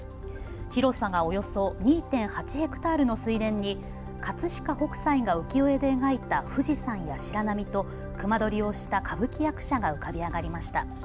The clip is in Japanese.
広さがおよそ２．８ｈａの水田に葛飾北斎が浮世絵で描いた富士山や白波とくま取りをした歌舞伎役者が浮かび上がりました。